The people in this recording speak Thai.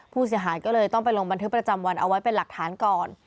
ผู้เสียหายก็เลยต้องไปลงบันทึกประจำวันเอาไว้เป็นหลักฐานก่อน